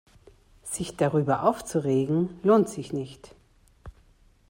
Sich darüber aufzuregen, lohnt sich nicht.